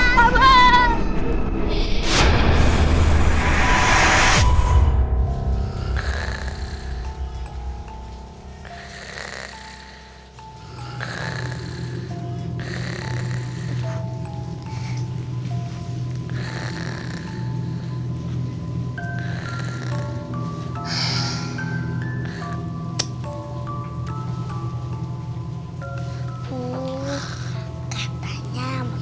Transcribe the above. jangan jangan makinnya di belakang kita lagi